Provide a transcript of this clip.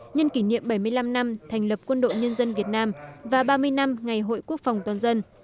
nhân kỷ niệm bảy mươi năm năm thành lập quân đội nhân dân việt nam và ba mươi năm ngày hội quốc phòng toàn dân